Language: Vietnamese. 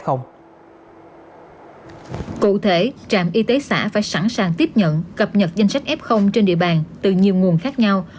cụ thể trạm y tế xã phải sẵn sàng tiếp nhận cập nhật danh sách f trên địa bàn từ nhiều nguồn khác nhau